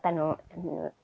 dan belah kue